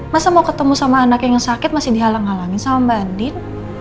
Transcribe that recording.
masa mau ketemu sama anak yang sakit masih dihalang halangin sama mbak andin